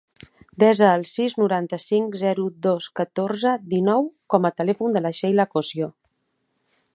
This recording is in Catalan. Desa el sis, noranta-cinc, zero, dos, catorze, dinou com a telèfon de la Sheila Cosio.